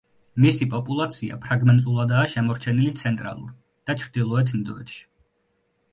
მისი პოპულაცია ფრაგმენტულადაა შემორჩენილი ცენტრალურ და ჩრდილოეთ ინდოეთში.